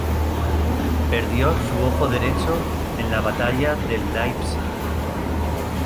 Perdió su ojo derecho en la batalla de Leipzig.